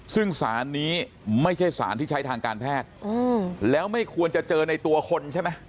ซึ่งสารนี้ไม่ใช่สารที่ใช้ทางการแพทย์แล้วไม่ควรจะเจอในตัวคนใช่ไหม